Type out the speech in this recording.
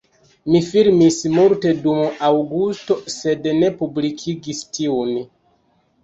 Mi filmis multe dum aŭgusto sed ne publikigis tiun